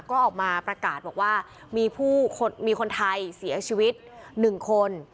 ก็ออกมาประกาศบอกว่ามีผู้มีคนไทยเสียชีวิต๑คน